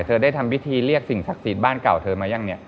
เธอได้ทำพิธีเรียกสิ่งศักดิ์สิทธิ์บ้านเก่าเธอมายังเนี่ย